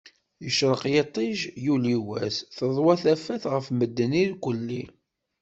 Yecreq yiṭij, yuli wass, teḍwa tafat ɣef medden irkulli.